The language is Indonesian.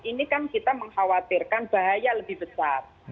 ini kan kita mengkhawatirkan bahaya lebih besar